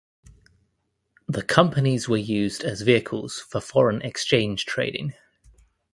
The Companies were used as vehicles for foreign exchange trading.